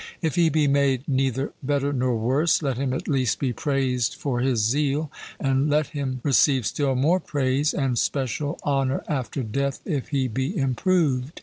If he be made neither better nor worse, let him at least be praised for his zeal; and let him receive still more praise, and special honour after death, if he be improved.